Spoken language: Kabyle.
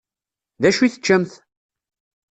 Dacu i teččamt?